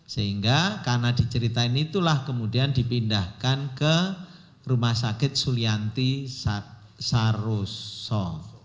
sehingga karena diceritain itulah kemudian dipindahkan ke rumah sakit sulianti saroso